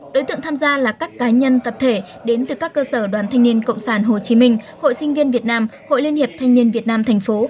đối tượng tham gia là các cá nhân tập thể đến từ các cơ sở đoàn thanh niên cộng sản hồ chí minh hội sinh viên việt nam hội liên hiệp thanh niên việt nam thành phố